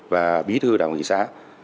và bí thư đảng ủy xã